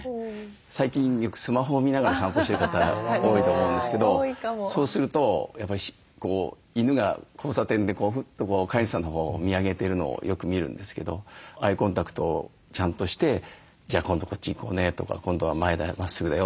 最近よくスマホを見ながら散歩してる方が多いと思うんですけどそうするとやっぱり犬が交差点でフッと飼い主さんのほうを見上げてるのをよく見るんですけどアイコンタクトをちゃんとして「じゃあ今度こっち行こうね」とか「今度は前だよ。